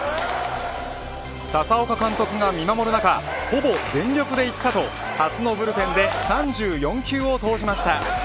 佐々岡監督が見守る中ほぼ全力でいったと初のブルペンで３４球を投じました。